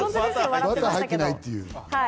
バター入っていないという。